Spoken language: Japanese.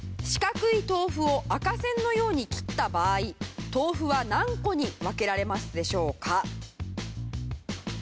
四角い豆腐を赤線のように切った場合豆腐は何個に分けられますでしょうか？